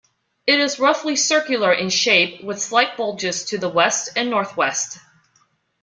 It is roughly circular in shape, with slight bulges to the west and northwest.